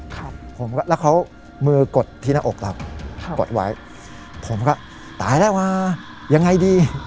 ครับผมก็แล้วเขามือกดที่หน้าอกเราครับกดไว้ผมก็ตายแล้วว่ะยังไงดี